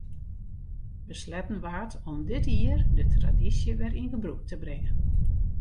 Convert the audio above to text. Besletten waard om dit jier de tradysje wer yn gebrûk te bringen.